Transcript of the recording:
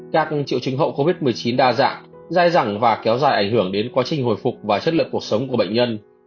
các triệu chứng hậu covid một mươi chín đa dạng dai dẳng và kéo dài ảnh hưởng đến quá trình hồi phục và chất lượng cuộc sống của bệnh nhân